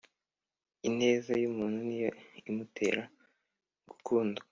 Ineza yumuntu niyo imutera gukundwa